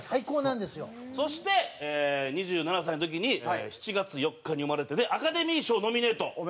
そして２７歳の時に『７月４日に生まれて』でアカデミー賞ノミネート。